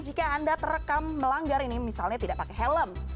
jika anda terekam melanggar ini misalnya tidak pakai helm nah sistem tersebut akan